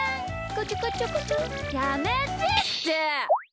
やめてって！